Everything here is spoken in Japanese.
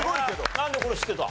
なんでこれ知ってた？